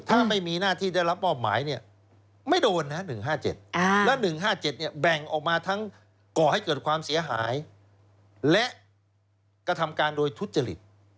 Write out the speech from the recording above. ถ้าไม่มีหน้าที่ได้รับมอบหมายเนี่ยไม่โดนนะ๑๕๗และ๑๕๗แบ่งออกมาทั้งก่อให้เกิดความเสียหายและกระทำการโดยทุจริต